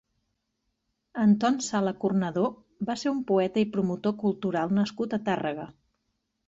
Anton Sala-Cornadó va ser un poeta i promotor cultural nascut a Tàrrega.